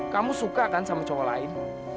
kamu suka kan sama cowok lain